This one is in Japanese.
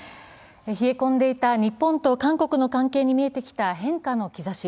冷え込んでいた日本と韓国の関係に見えてきた変化の兆し。